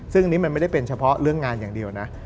ซึ่งอันนี้มันไม่ได้เป็นเฉพาะเรื่องงานอย่างเดียวนะ